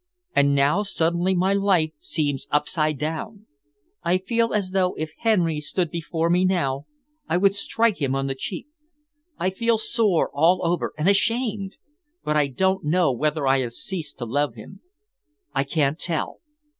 And now suddenly my life seems upside down. I feel as though, if Henry stood before me now, I would strike him on the cheek. I feel sore all over, and ashamed, but I don't know whether I have ceased to love him. I can't tell.